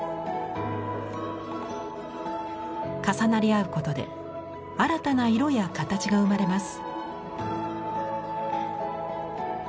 重なり合うことで新たな色や形が生まれます。